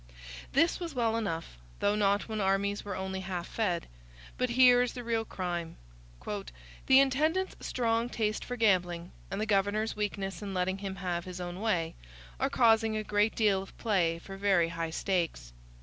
This was well enough; though not when armies were only half fed. But here is the real crime: 'The intendant's strong taste for gambling, and the governor's weakness in letting him have his own way, are causing a great deal of play for very high stakes.